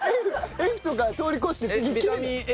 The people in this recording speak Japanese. Ｆとか通り越して次Ｋ？